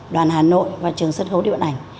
đoàn hà nội và trường sân khấu điện ảnh